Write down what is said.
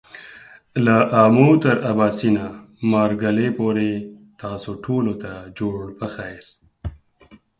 له آمو تر آباسينه ، مارګله پورې تاسو ټولو ته جوړ پخير !